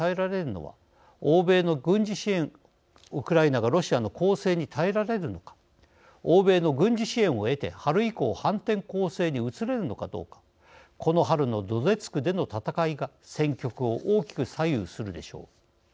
ウクライナがロシアの攻勢に耐えられるのは欧米の軍事支援を得て、春以降反転攻勢に移れるのかどうかこの春のドネツクでの戦いが戦局を大きく左右するでしょう。